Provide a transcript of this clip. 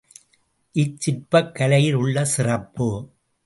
இச்சிற்பக் கலையில் உள்ள சிறப்பு.